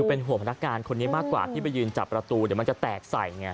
เป็นห่วงพนักงานคนนี้มากกว่าที่ไปยืนจับประตูเดี๋ยวมันจะแตกใส่ไง